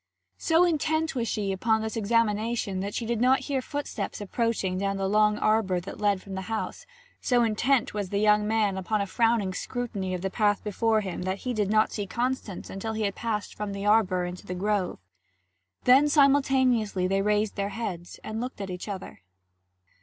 So intent was she upon this examination, that she did not hear footsteps approaching down the long arbour that led from the house; so intent was the young man upon a frowning scrutiny of the path before him, that he did not see Constance until he had passed from the arbour into the grove. Then simultaneously they raised their heads and looked at each other.